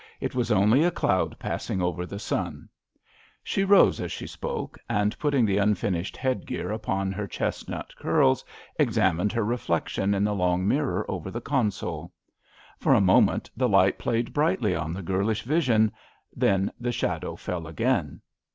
It was only a cloud pass ing over the sun/* She rose as she spoke, and, putting the unfinished headgear upon her chestnut curls, examined her reflection in the long mirror over the con sole. For a moment the light played brightly on the girlish vision, then the shadow fell again.